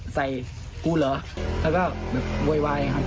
ใส่กูเหรอแล้วก็เว้ยครับ